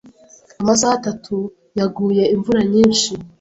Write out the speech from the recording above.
Amasaha atatu yaguye imvura nyinshi.